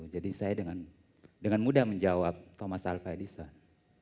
jadi saya dengan mudah menjawab thomas alva edison